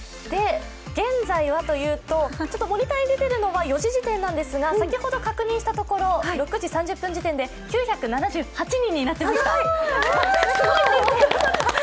現在はというとモニターに出てるのは４時時点ですが、先ほど確認したところ６時３０分時点で９７８人になっていました。